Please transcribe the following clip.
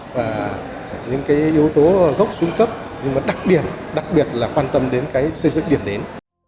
và những cái yếu tố gốc xuống cấp nhưng mà đặc điểm đặc biệt là quan tâm đến cái xây dựng điểm đến